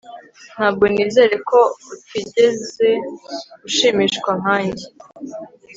ntabwo nizera ko utigeze ushimishwa nkanjye